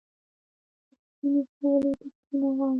د سپینې سولې په سپینه غاړه